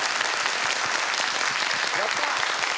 やったー！